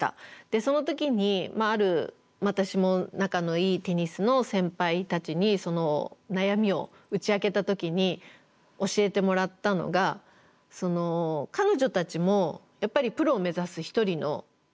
その時にある私も仲のいいテニスの先輩たちにその悩みを打ち明けた時に教えてもらったのが彼女たちもやっぱりプロを目指す一人のアスリートであることは同じだと。